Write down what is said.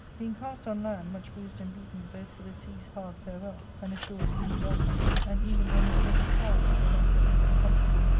" Being cast on land, much bruised and beaten both with the sea's hard farewell and the shore's rude welcome, and even almost deadly tired with the length of his uncomfortablQ ARCADIA.